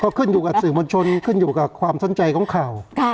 ก็ขึ้นอยู่กับสื่อมวลชนขึ้นอยู่กับความสนใจของข่าว